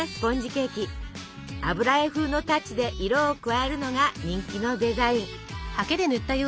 油絵風のタッチで色を加えるのが人気のデザイン。